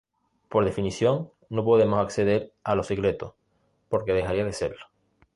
Por definición, no podemos acceder a lo secreto, porque dejaría de serlo.